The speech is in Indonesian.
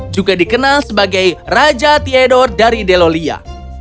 juga dikenal sebagai raja theodore dari delolia